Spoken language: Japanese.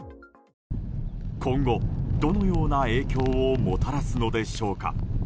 今後、どのような影響をもたらすのでしょうか。